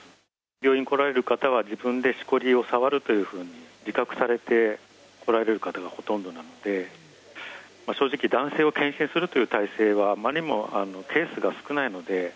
病院来られる方は自分でしこりを触るというふうに、自覚されて来られる方がほとんどなので、正直、男性を検診するという体制は、あまりにもケースが少ないので。